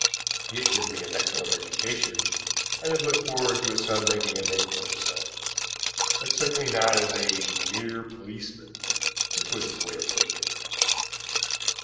He had given me an excellent education, and had looked forward to his son making a name for himself, but certainly not as a mere policeman, which was his way of putting it.